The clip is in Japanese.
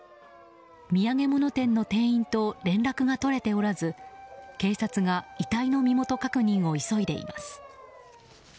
土産物店の店員と連絡が取れておらず警察が遺体の身元確認を急いでいます。